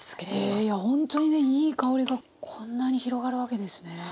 いやほんとにねいい香りがこんなに広がるわけですね。